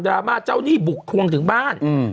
รามาเจ้าหนี้บุกทวงถึงบ้าน